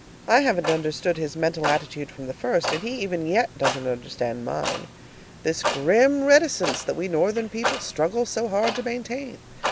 I haven't understood his mental attitude from the first, and he even yet doesn't understand mine. This grim reticence that we Northern people struggle so hard to maintain!